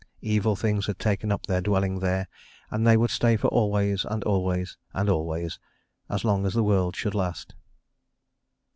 Evil things had taken up their dwelling there, and they would stay for always and always and always, as long as the world should last.